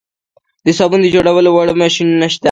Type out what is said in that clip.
د صابون جوړولو واړه ماشینونه شته